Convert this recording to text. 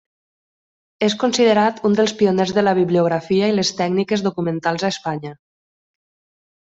És considerat un dels pioners de la bibliografia i les tècniques documentals a Espanya.